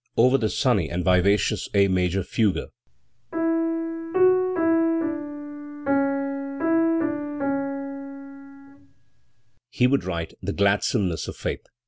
Over the sunny and vivacious A major fugue he would write u the gladsomeness of faith".